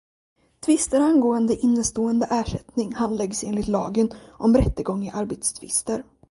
Tvister angående innestående ersättning handläggs enligt lagen om rättegång i arbetstvister.